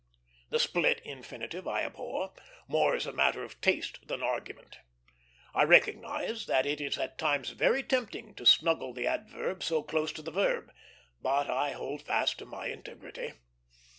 The split infinitive I abhor, more as a matter of taste than argument. I recognize that it is at times very tempting to snuggle the adverb so close to the verb; but I hold fast my integrity.